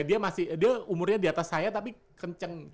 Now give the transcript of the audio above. dia masih dia umurnya diatas saya tapi kenceng